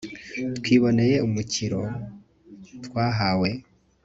twiboneye umukiro, twahawe